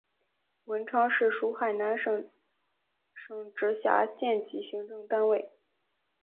文昌市属海南省省直辖县级行政单位。